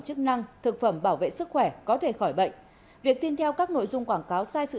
chức năng thực phẩm bảo vệ sức khỏe có thể khỏi bệnh việc tin theo các nội dung quảng cáo sai sự